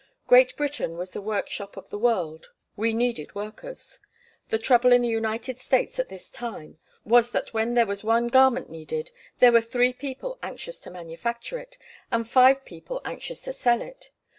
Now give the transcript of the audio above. Great Britain was the workshop of the world; we needed workers. The trouble in the United States at this time was that when there was one garment needed there were three people anxious to manufacture it, and five people anxious to sell it.